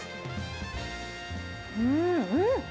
うん、うん。